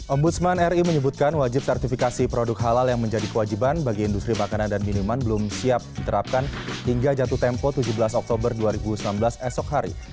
ombudsman ri menyebutkan wajib sertifikasi produk halal yang menjadi kewajiban bagi industri makanan dan minuman belum siap diterapkan hingga jatuh tempo tujuh belas oktober dua ribu sembilan belas esok hari